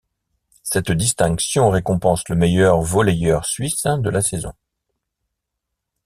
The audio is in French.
Cette distinction récompense le meilleur volleyeur suisse de la saison.